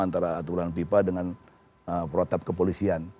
antara aturan pipa dengan protap kepolisian